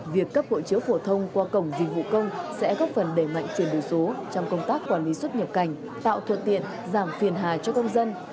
việc cấp hộ chiếu phổ thông qua cổng dịch vụ công sẽ góp phần đẩy mạnh chuyển đổi số trong công tác quản lý xuất nhập cảnh tạo thuận tiện giảm phiền hà cho công dân